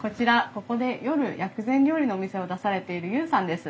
ここで夜薬膳料理のお店を出されている悠さんです。